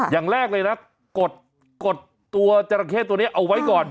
อย่างแรกเลยนะกดตัวจราเข้ตัวนี้เอาไว้ก่อน